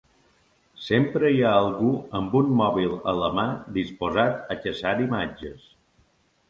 Sempre hi ha algú amb un mòbil a la mà disposat a caçar imatges.